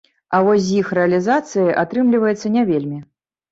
А вось з іх рэалізацыяй атрымліваецца не вельмі.